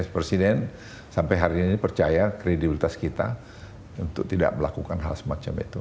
presiden sampai hari ini percaya kredibilitas kita untuk tidak melakukan hal semacam itu